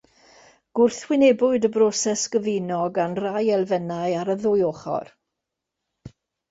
Gwrthwynebwyd y broses gyfuno gan rai elfennau ar y ddwy ochr.